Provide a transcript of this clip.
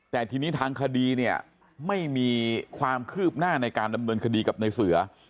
แต่ทีนี้ทางคดีเนี่ยไม่มีความคืบหน้าในการดำเนินคดีกับในเสือ